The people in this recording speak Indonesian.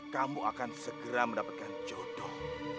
kamu akan segera mendapatkan jodoh